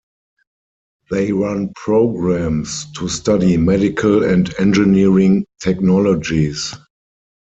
They run programmes to study medical and engineering technologies.